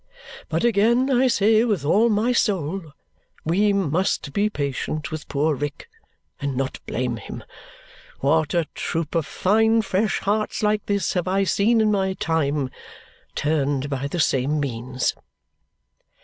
But again I say with all my soul, we must be patient with poor Rick and not blame him. What a troop of fine fresh hearts like his have I seen in my time turned by the same means!"